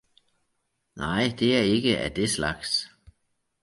Nej, det er ikke af det slags!